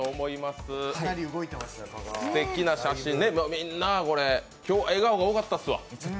すてきな写真、みんな今日笑顔が多かったですわ。